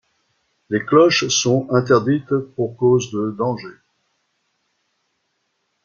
Les cloches sont interdites pour cause de danger.